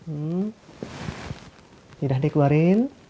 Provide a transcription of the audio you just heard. ini udah dikeluarin